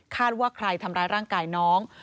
ว่าใครทำร้ายร่างกายน้อง